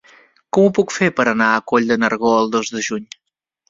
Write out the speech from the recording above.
Com ho puc fer per anar a Coll de Nargó el dos de juny?